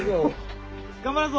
頑張るぞ！